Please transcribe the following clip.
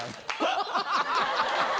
ハッハハハ！